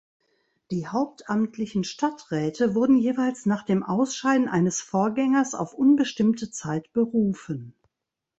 Die hauptamtlichen Stadträte wurden jeweils nach dem Ausscheiden eines Vorgängers auf unbestimmte Zeit berufen.